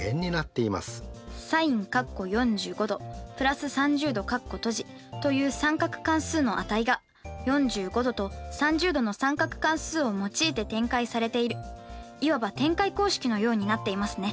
ｓｉｎという三角関数の値が４５°と３０°の三角関数を用いて展開されているいわば展開公式のようになっていますね。